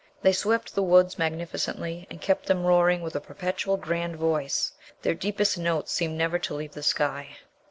They swept the woods magnificently, and kept them roaring with a perpetual grand voice. Their deepest notes seemed never to leave the sky.